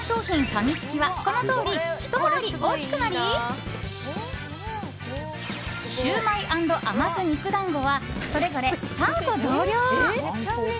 ファミチキはこの通り、ひと回り大きくなりシュウマイ＆甘酢肉団子はそれぞれ３個増量。